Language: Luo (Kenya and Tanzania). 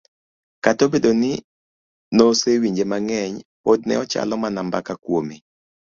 kata obedo ni nosewinje mang'eny, pod ne ochalo mana mbaka kuome.